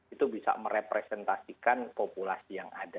itu bisa merepresentasikan populasi yang ada